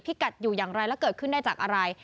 กัดอยู่อย่างไรแล้วเกิดขึ้นได้จากอะไร